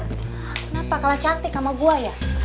kenapa kalah cantik sama gue ya